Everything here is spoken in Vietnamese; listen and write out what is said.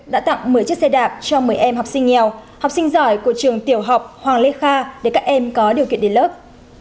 đã tặng một mươi chiếc xe đạp cho một mươi em học sinh nghèo học sinh giỏi của trường tiểu học hoàng lê kha để các em có điều kiện đến lớp